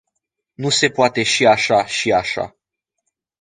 Nu se poate și așa, și așa.